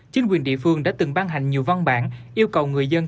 chính quyền địa phương đã từng ban hành nhiều văn bản yêu cầu người dân